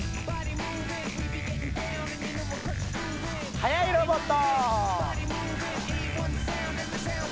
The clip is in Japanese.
はやいロボット！